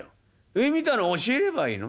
「上見たの教えればいいの？